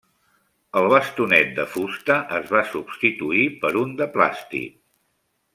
El bastonet de fusta es va substituir per un de plàstic.